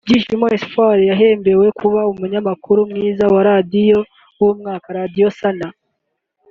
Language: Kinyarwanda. Byishimo Espoir yahembewe kuba umunyamakuru mwiza wa Radio w'umwaka(Radio Sana)